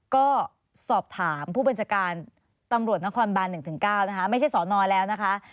ก็สอบถามผู้บัญชาการตำรวจนครบาน๑๙นะคะไม่ใช่สอนอแล้วนะคะ